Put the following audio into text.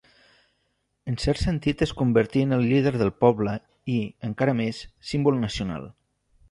En cert sentit es convertí en el líder del poble i, encara més, símbol nacional.